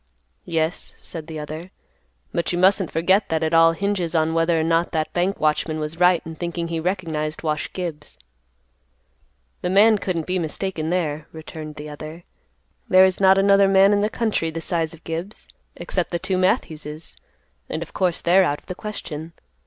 "Yes," said the other; "but you mustn't forget that it all hinges on whether or not that bank watchman was right in thinking he recognized Wash Gibbs." "The man couldn't be mistaken there," returned the other. "There is not another man in the country the size of Gibbs, except the two Matthews's, and of course they're out of the question.